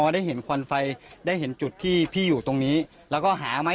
ได้เห็นควันไฟได้เห็นจุดที่พี่อยู่ตรงนี้แล้วก็หามา